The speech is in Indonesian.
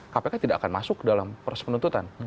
kpk tidak akan masuk dalam proses penuntutan